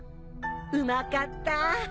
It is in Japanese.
うまかった。